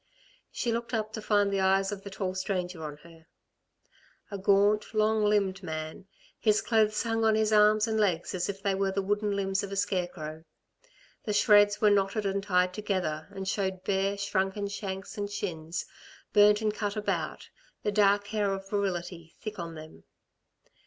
She looked up to find the eyes of the tall stranger on her. A gaunt, long limbed man, his clothes hung on his arms and legs as if they were the wooden limbs of a scarecrow. The shreds were knotted and tied together, and showed bare, shrunken shanks and shins, burnt and cut about, the dark hair of virility thick on them.